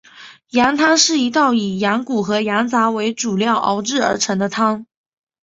羊汤是一道以羊骨和羊杂为主料熬制而成的汤。